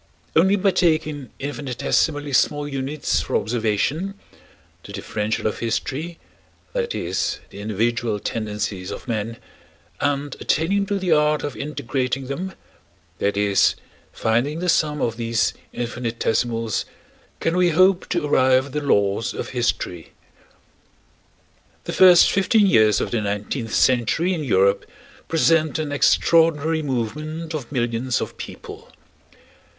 Only by taking infinitesimally small units for observation (the differential of history, that is, the individual tendencies of men) and attaining to the art of integrating them (that is, finding the sum of these infinitesimals) can we hope to arrive at the laws of history. The first fifteen years of the nineteenth century in Europe present an extraordinary movement of millions of people.